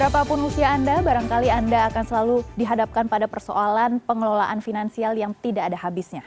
berapapun usia anda barangkali anda akan selalu dihadapkan pada persoalan pengelolaan finansial yang tidak ada habisnya